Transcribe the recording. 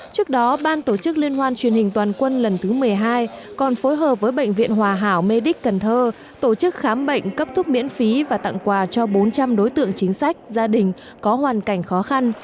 trước đó ban tổ chức liên hoan truyền hình toàn quân lần thứ một mươi hai còn phối hợp với bệnh viện hòa hảo mê đích cần thơ tổ chức khám bệnh cấp thuốc miễn phí và tặng quà cho bốn trăm linh đối tượng chính sách gia đình có hoàn cảnh khó khăn